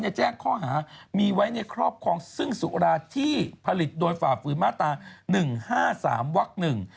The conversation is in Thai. แจ้งข้อหามีไว้ในครอบครองซึ่งสุราที่ผลิตโดยฝ่าฝืนมาตราหนึ่งห้าสามวักหนึ่ง